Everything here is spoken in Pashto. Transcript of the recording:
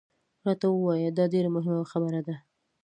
راته ووایه، دا ډېره مهمه خبره ده.